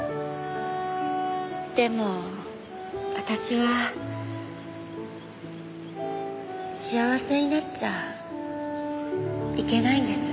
でも私は幸せになっちゃいけないんです。